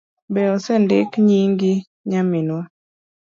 Be osendik nyingi nyaminwa?